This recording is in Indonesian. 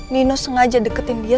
nino sengaja deketin dia